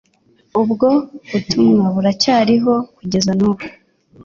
ubwo butumwa buracyariho kugeza n'ubu.